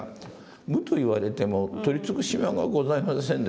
「無」と言われても取りつく島がございませんでしょう。